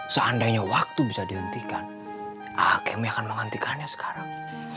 seandainya waktu bisa dihentikan ah kemi akan menghentikannya sekarang